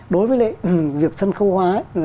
đối với việc sân khâu hóa